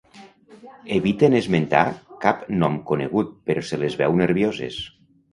Eviten esmentar cap nom conegut, però se les veu nervioses.